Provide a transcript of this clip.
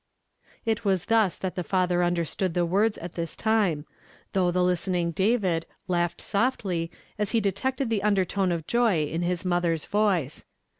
It was thus that the father understood the words at this time, though the listening David laughed softly as he detected the undertone of joy in his mother's voice.